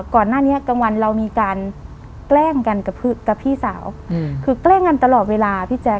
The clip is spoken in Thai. ก่อนหน้านี้กลางวันเรามีการแกล้งกันกับพี่สาวคือแกล้งกันตลอดเวลาพี่แจ๊ค